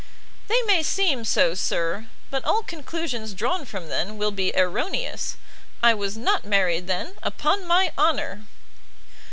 "They may seem so, Sir; but all conclusions drawn from them will be erroneous. I was not married then, upon my honour!"